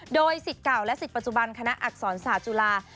โดยสิทธิ์เก่าและสิทธิปัจจุบันคณะอักษรศาสตร์จุฬา